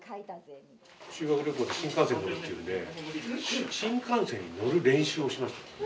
修学旅行で新幹線に乗るっていうんで新幹線に乗る練習をしましたね。